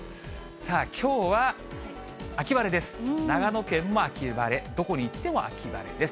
さあ、きょうは秋晴れです。